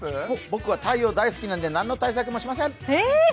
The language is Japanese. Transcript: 僕は太陽大好きなので、何の対策もしません。